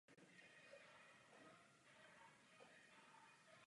V lesích jsou zastoupeny převážně borovice.